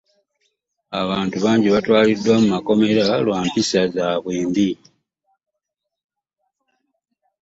Abantu bangi batwalidwa mu komera lwa mpisa zaabwe mbi.